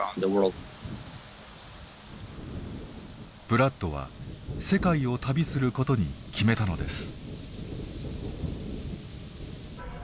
ブラッドは世界を旅することに決めたのです。